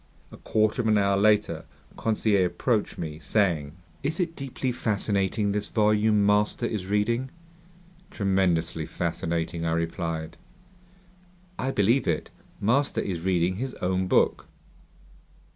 A quarter of an hour later, Conseil approached me, saying: "Is it deeply fascinating, this volume master is reading?" "Tremendously fascinating," I replied. "I believe it. Master is reading his own book!"